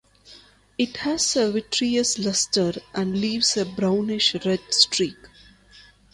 It has a vitreous luster and leaves a brownish-red streak.